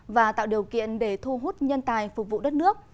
và tạo điều kiện để thu hút nhân tài phục vụ đất nước